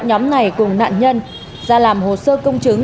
nhóm này cùng nạn nhân ra làm hồ sơ công chứng